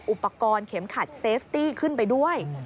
อุปกรณ์เข็มขัดเซฟตี้ขึ้นไปด้วย